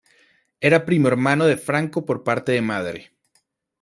Era primo hermano de Franco por parte de madre.